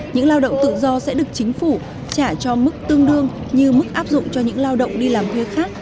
những lao động tự do sẽ được chính phủ trả cho mức tương đương như mức áp dụng cho những lao động đi làm thuê khác